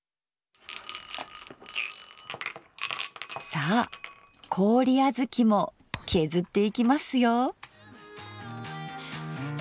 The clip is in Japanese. さあ氷あづきも削っていきますよ！